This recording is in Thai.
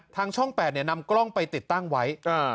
ทางช่อง๘นำกล้องไปติดตั้งไว้